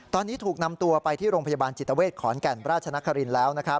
ตอนนี้ถูกนำตัวไปที่โรงพยาบาลจิตเวทขอนแก่นราชนครินทร์แล้ว